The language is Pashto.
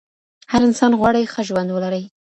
هر انسان غواړي ښه ژوند ولري.